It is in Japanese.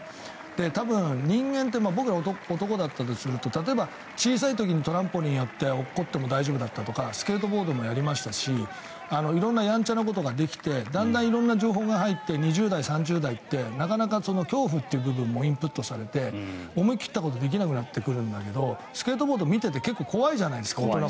多分、人間って僕ら男だったとすると例えば小さい時にトランポリンやって落っこちても大丈夫だったとかスケートボードもやりましたし色んなやんちゃなことができてだんだん色んな情報が入って２０代、３０代というところは恐怖という部分もインプットされて思い切ったことができなくなってくるんだけどスケートボードは見てて怖いじゃないですか。